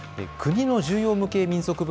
国の重要無形民俗